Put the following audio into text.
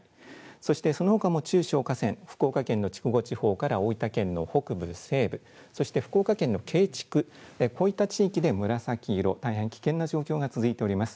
そしてそのほかの中小河川、福岡県の筑後地方から大分県の北部、西部、そして福岡県のけいちく、こういった地域で紫色、大変危険な状況が続いております。